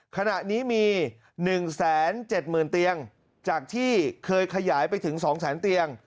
ขณะนี้มี๑๗๐๐๐เตียงจากที่เคยขยายไปถึง๒๐๐๐เตียง